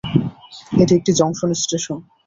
এটি একটি junction station.